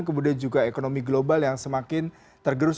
kemudian juga ekonomi global yang semakin tergerus